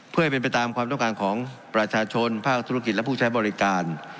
เพื่อให้เป็นไปตามความต้องการของประชาชนภาคธุรกิจและผู้ใช้บริการ